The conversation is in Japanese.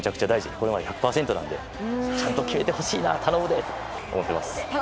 ここまで１００％なのでちゃんと決めてほしいな頼むで！と思ってます。